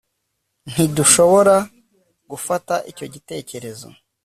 ntidushobora gufata icyo gitekerezo